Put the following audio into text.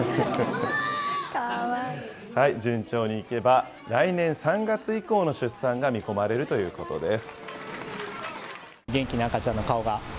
順調にいけば、来年３月以降の出産が見込まれるということです。